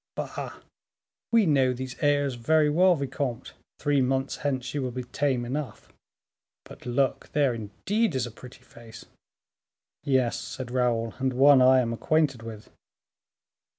"Bah! we know these airs very well, vicomte; three months hence she will be tame enough. But look, there, indeed, is a pretty face." "Yes," said Raoul, "and one I am acquainted with."